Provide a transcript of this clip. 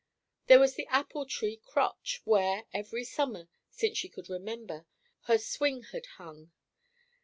There was the apple tree crotch, where, every summer since she could remember, her swing had hung.